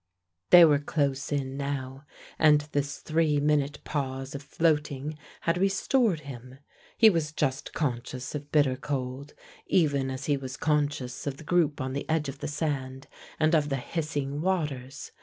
They were close in now, and this three minute pause of floating had restored him. He was just conscious of bitter cold, even as he was conscious of the group on the edge of the sand, and of the hissing waters.